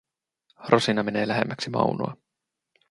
Rosina menee lähemmäksi Maunoa.